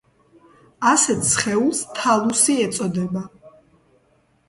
ასეთ სხეულს თალუსი ეწოდება.